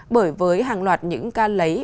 bởi với hàng loạt những ca lấy